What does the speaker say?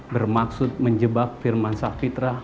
bermaksud menjebak pirman savitra